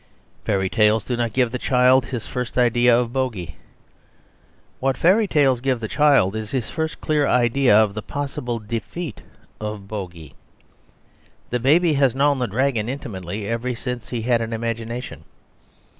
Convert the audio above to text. Fairy tales do not give the child his first idea of bogey. What fairy tales give the child is his first clear idea of the possible defeat of bogey. The baby has known the dragon intimately ever since he had an imagination.